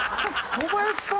小林さん